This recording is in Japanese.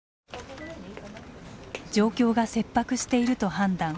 状況が切迫していると判断。